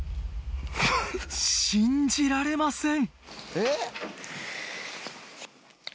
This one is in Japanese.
信じられません。